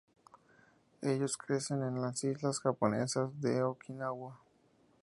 Ellos crecen en las islas japonesas de Okinawa.